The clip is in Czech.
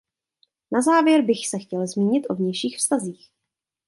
Na závěr bych se chtěl zmínit o vnějších vztazích.